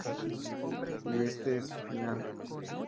Y este es el final".